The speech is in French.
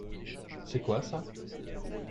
C'est quoi ça ?